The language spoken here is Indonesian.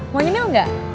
mau nyemil gak